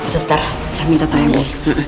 suster saya minta tangan bu